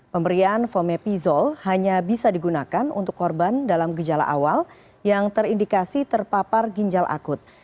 pemberian fomepizol hanya bisa digunakan untuk korban dalam gejala awal yang terindikasi terpapar ginjal akut